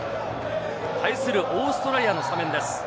対するオーストラリアのスタメンです。